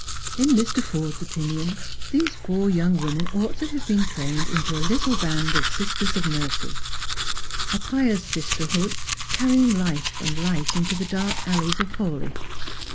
In Mr. Forde's opinion, those four young women ought to have been trained into a little band of sisters of mercy — a pioua rsisterhood carrying life and light into the dark alleys of Haw leigh.